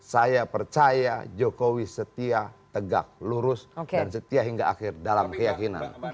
saya percaya jokowi setia tegak lurus dan setia hingga akhir dalam keyakinan